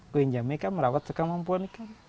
gue menjamin kan merawat segala kemampuan